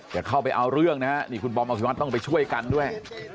จะเข้าไปเอาเรื่องนะฮะนี่คุณบอมอสิวัติต้องไปช่วยกันด้วย